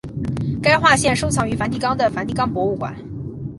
该画现收藏于梵蒂冈的梵蒂冈博物馆。